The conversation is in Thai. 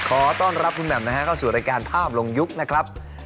ขอต้อนรับคุณแหม่มนะฮะเข้าสู่รายการภาพลงยุคนะครับ